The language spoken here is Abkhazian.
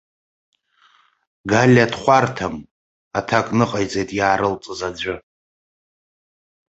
Галиа дхәарҭам, аҭак ныҟаиҵеит иаарылҵыз аӡәы.